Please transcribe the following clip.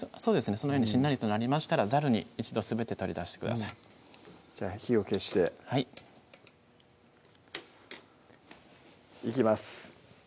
そのようにしんなりとなりましたらザルに一度すべて取り出してくださいじゃあ火を消してはいいきます